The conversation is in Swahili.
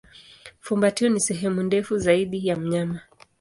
Fumbatio ni sehemu ndefu zaidi ya mnyama.